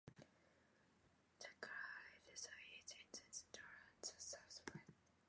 The Kalahari Desert is in the central and the southwest.